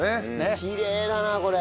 きれいだなこれ。